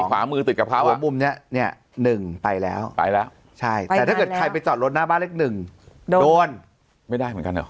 ขวามือติดกับเขาว่ามุมนี้เนี่ย๑ไปแล้วไปแล้วใช่แต่ถ้าเกิดใครไปจอดรถหน้าบ้านเลขหนึ่งโดนไม่ได้เหมือนกันเหรอ